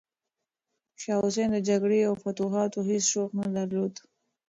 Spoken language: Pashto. شاه حسین د جګړې او فتوحاتو هیڅ شوق نه درلود.